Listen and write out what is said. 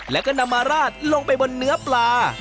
แล้วก็นำมาราดลงไปบนเนื้อปลา